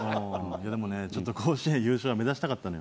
でもねちょっと甲子園優勝は目指したかったのよ。